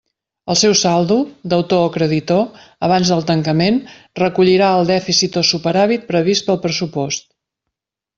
El seu saldo, deutor o creditor, abans del tancament, recollirà el dèficit o superàvit previst del pressupost.